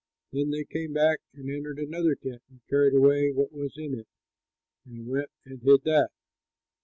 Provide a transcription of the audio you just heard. Then they came back and entered another tent and carried away what was in it and went and hid that.